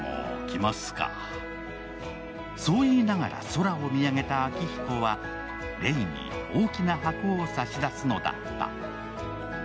そう言いながら、空を見上げた昭彦は玲に大きな箱を差し出すのだった。